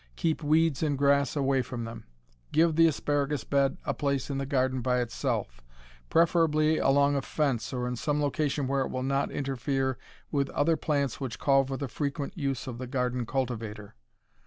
Keep weeds and grass away from them. Give the asparagus bed a place in the garden by itself, preferably along a fence or in some location where it will not interfere with other plants which call for the frequent use of the garden cultivator.